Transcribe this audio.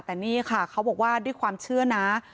แต่นี่ค่ะเขาบอกว่าด้วยความเชื่อนะ